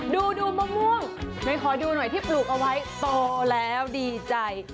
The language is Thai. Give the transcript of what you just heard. ดูมะม่วงไหนขอดูหน่อยที่ปลูกเอาไว้โตแล้วดีใจ